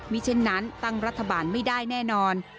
มีเช่นนั้นตั้งรัฐบาลไม่ได้แน่นอน